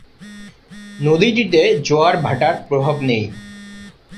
নদীটিতে জোয়ার ভাটার প্রভাব নেই।